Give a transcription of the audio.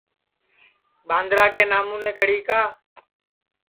ٻاندرا کے نامونے کڑی کا